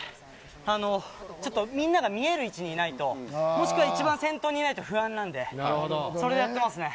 みんなが見える位置にいないともしくは一番先頭にいないと不安なので、それでやってます。